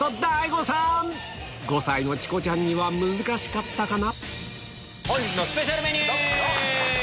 ５歳のチコちゃんには難しかったかな？